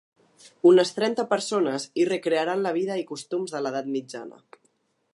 Unes trenta persones hi recrearan la vida i costums de l’edat mitjana.